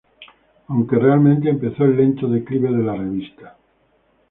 Aunque realmente empezó el lento declive de la revista.